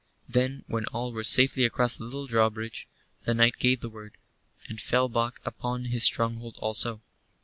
Then, when all were safely across the little drawbridge, the knight gave the word, and fell back upon his stronghold also.